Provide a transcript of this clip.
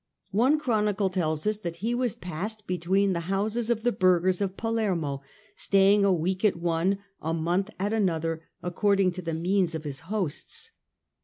One chronicle tells us that he was passed about between the houses of the burghers of Palermo, staying a week at one, a month at another, ac cording to the means of his hosts.